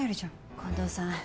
近藤さん